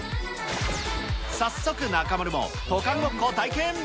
早速、中丸も渡韓ごっこを体験。